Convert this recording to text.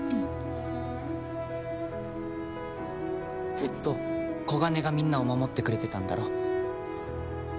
ずっとコガネがみんなを守ってくれてたんだろ？